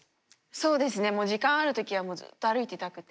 そうですねもう時間ある時はもうずっと歩いてたくて。